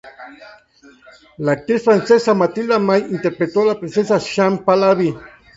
La actriz francesa Mathilda May interpretó a la princesa Shams Pahlaví.